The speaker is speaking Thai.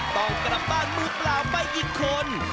ต้องกลับบ้านมือเปล่าไปอีกคน